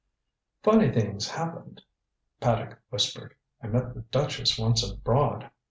"Funny thing's happened," Paddock whispered. "I met the duchess once abroad.